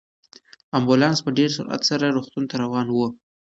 امبولانس په ډېر سرعت سره روغتون ته روان و.